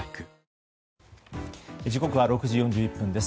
時刻は６時４１分です。